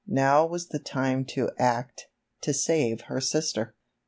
Now was the time to act—to save her sister.